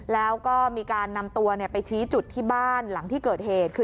แล้วก็มีการนำตัวไปชี้จุดที่บ้านหลังที่เกิดเหตุคือ